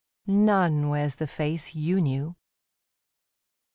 None wears the face you knew.